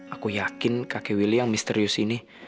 aku yakin kakek willy yang misterius ini